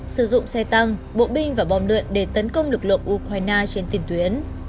sử dụng xe tăng bộ binh và bom lượn để tấn công lực lượng ukraine trên tiền tuyến